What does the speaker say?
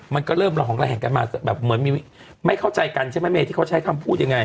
มันก็เริ่มหล่อของกระแห่งกันมาแบบเหมือนไม่เข้าใจกันใช่ไหมที่เขาใช้คำพูดอย่างไร